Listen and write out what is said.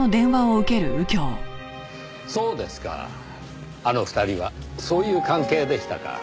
そうですかあの２人はそういう関係でしたか。